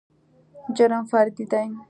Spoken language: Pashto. جرم فردي دى.